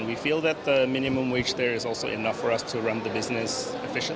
kami merasa wajah minimum di sana juga cukup untuk kita menjalankan bisnis dengan efisien